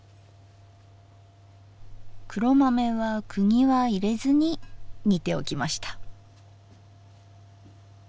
黒豆はクギは入れずに煮ておきました。